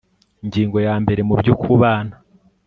ingingo ya mbere mubyo kubana